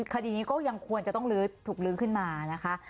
คดีนี้ก็ยังควรจะต้องลื้อถูกลื้อขึ้นมานะคะ